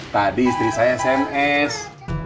tadi istri saya sms